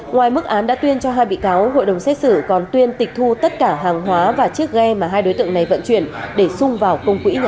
ngoài mức án đã tuyên cho hai bị cáo hội đồng xét xử còn tuyên tịch thu tất cả hàng hóa và chiếc ghe mà hai đối tượng này vận chuyển để xung vào công quỹ nhà nước